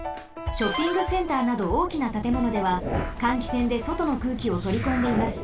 ショッピングセンターなどおおきなたてものでは換気扇でそとの空気をとりこんでいます。